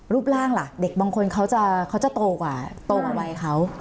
รูปร่างล่ะเด็กบางคนเขาจะโตกว่าโตกว่าวัยเขา